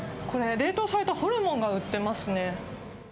冷凍されたホルモンが売っていますね。